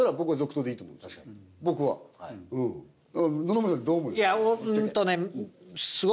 野々村さんどう思います？